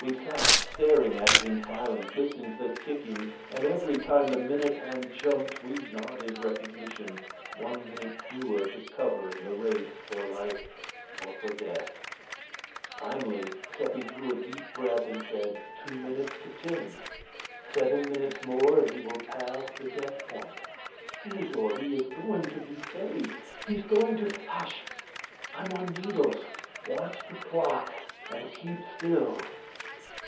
We sat staring at it in silence, listening to the ticking, and every time the minute hand jumped we nodded recognition one minute fewer to cover in the race for life or for death. Finally Seppi drew a deep breath and said: "Two minutes to ten. Seven minutes more and he will pass the death point. Theodor, he is going to be saved! He's going to " "Hush! I'm on needles. Watch the clock and keep still."